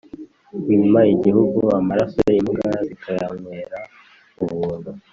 Wima igihugu amaraso, imbwa zikayanwera ubuntu.